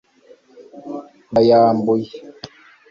ndayambuye